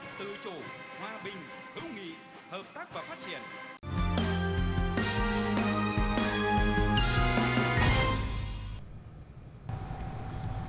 tự chủ hòa bình hữu nghị hợp tác và phát triển